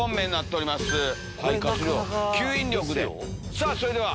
さぁそれでは。